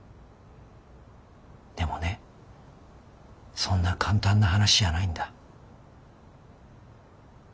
でもねそんな簡単な話じゃないんだ。